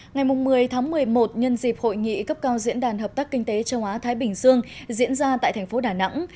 ngày một mươi tháng một mươi một nhân dịp hội nghị cấp cao diễn đàn hợp tác kinh tế châu á thái bình dương diễn ra tại thành phố đà nẵng